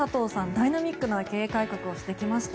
ダイナミックな経営改革をしてきました。